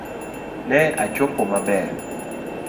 Ne achopo maber